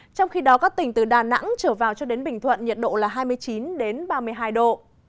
trong khi đó các tỉnh từ đà nẵng trở vào cho đến bình thuận nhiệt độ là hai mươi chín ba mươi hai độ